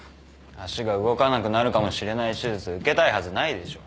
足が動かなくなるかもしれない手術受けたいはずないでしょ。